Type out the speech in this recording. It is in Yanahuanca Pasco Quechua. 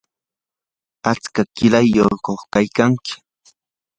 ¿atska qilayyuqku kaykanki?